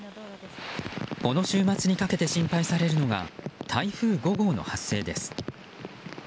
この週末にかけて心配されるのが台風５号の発生です。